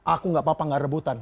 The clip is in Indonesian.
aku nggak apa apa nggak rebutan